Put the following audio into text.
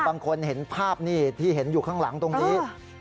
บางคนเห็นภาพนี่ที่เห็นอยู่ข้างหลังตรงนี้